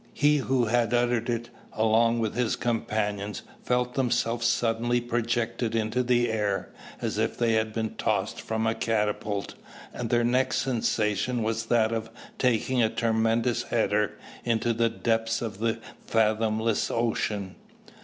He who had uttered it, along with his companions, felt themselves suddenly projected into the air, as if they had been tossed from a catapult, and their next sensation was that of taking "a tremendous header" into the depths of the fathomless ocean!